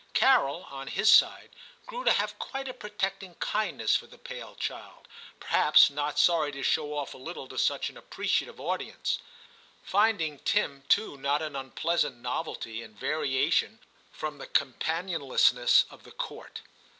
Carol, on his side, grew to have quite a protecting kindness for the pale child, perhaps not sorry to show off a little to such an appreciative audience ; finding Tim too not an unpleasant novelty and variation from the companionlessness of the Court.